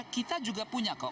kita juga punya kok